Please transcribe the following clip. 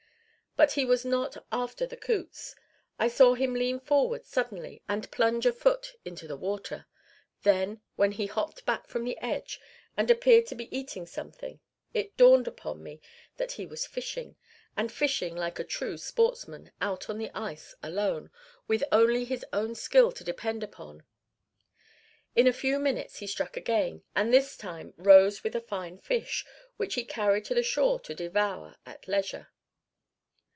But he was not after the coots. I saw him lean forward suddenly and plunge a foot into the water. Then, when he hopped back from the edge, and appeared to be eating something, it dawned upon me that he was fishing and fishing like a true sportsman, out on the ice alone, with only his own skill to depend upon. In a few minutes he struck again, and this time rose with a fine fish, which he carried to the shore to devour at leisure.